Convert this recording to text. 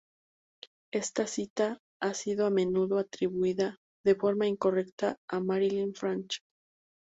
Esta cita ha sido a menudo atribuida, de forma incorrecta, a Marilyn French.